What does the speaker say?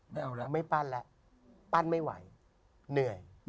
ไม่เอาแล้วครับไม่ปั้นไม่ไหวก็เหนื่อย